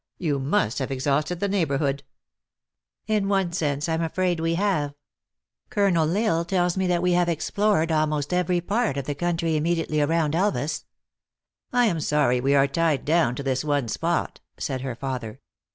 You must have exhausted the n ei jhb orh oo d .* "In one sense I am afraid we have. Colonel L Isle tells me that we have explored almost every part of the country immediately around Elvas." " I am sorry we are tied clown to this one spot," said her father.